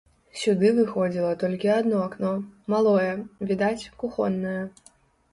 Сюды выходзіла толькі адно акно, малое, відаць, кухоннае.